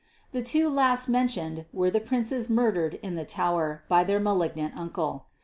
The two last mentioned were the princes murdered in the Tower by their malignant uncle.